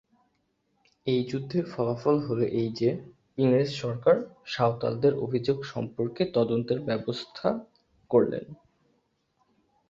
এই যুদ্ধের ফলাফল হলো এই যে, ইংরেজ সরকার সাঁওতালদের অভিযোগ সম্পর্কে তদন্তের ব্যবস্থা করলেন।